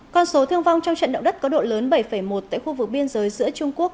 con số thương vong trong trận động đất có độ lớn bảy một tại khu vực biên giới giữa trung quốc